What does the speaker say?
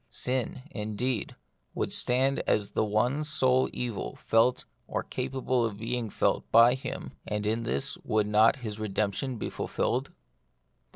Sin, indeed, would stand as the one sole evil felt or capable of being felt by him, and in this would not his redemption be fulfilled